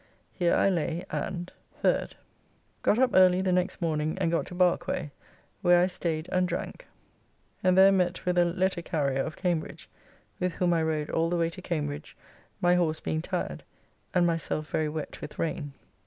Here I lay, and 3rd. Got up early the next morning and got to Barkway, where I staid and drank, and there met with a letter carrier of Cambridge, with whom I rode all the way to Cambridge, my horse being tired, and myself very wet with rain.